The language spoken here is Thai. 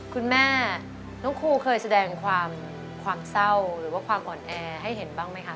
คุณแม่น้องครูเคยแสดงความความเศร้าหรือว่าความอ่อนแอให้เห็นบ้างไหมคะ